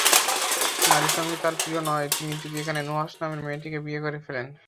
নারীসঙ্গ তাঁর প্রিয় নয়, তিনি যদি এখন নুহাশ নামের মেয়েটিকে বিয়ে করে ফেলেন।